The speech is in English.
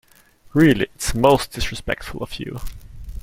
Really, it’s most disrespectful of you!